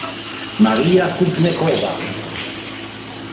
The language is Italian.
Marija Kuznecova